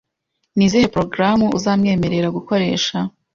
Ni izihe porogaramu uzamwemerera gukoresha?